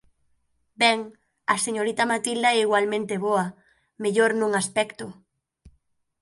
Ben, a señorita Matilda é igualmente boa… mellor nun aspecto.